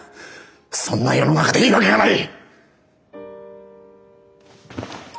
そんな世の中でいいわけがない！